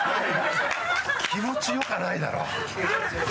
気持ちよくはないだろう。